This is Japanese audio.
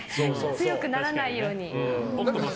強くならないように。